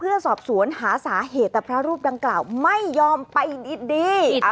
เพื่อสอบสวนหาสาเหตุแต่พระรูปดังกล่าวไม่ยอมไปดี